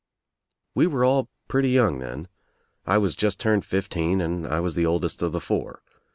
We were all pretty young then. I was just turned fifteen and I was the oldest of the four.